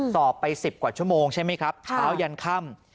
สอบไป๑๐กว่าชั่วโมงใช่ไหมครับเช้ายันค่ำ